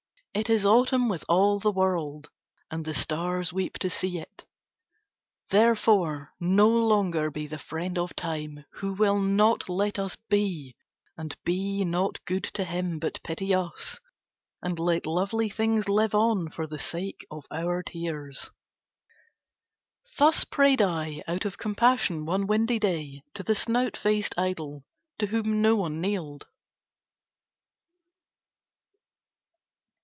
It is autumn with all the world, and the stars weep to see it. "Therefore no longer be the friend of Time, who will not let us be, and be not good to him but pity us, and let lovely things live on for the sake of our tears." Thus prayed I out of compassion one windy day to the snout faced idol to whom no one kneeled.